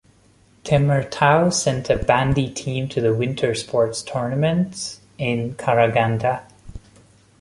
Temirtau sent a bandy team to the Winter Sports Tournaments in Karaganda.